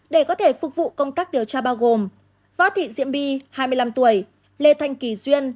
để có thể phục vụ công tác điều tra bao gồm vá thị diễm bi lê thanh kỳ duyên